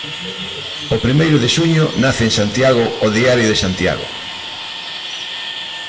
O primeiro de xuño nace en Santiago o Diario de Santiago.